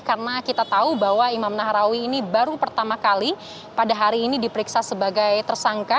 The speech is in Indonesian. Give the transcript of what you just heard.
karena kita tahu bahwa imam nahrawi ini baru pertama kali pada hari ini diperiksa sebagai tersangka